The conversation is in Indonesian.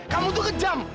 kamu itu kejam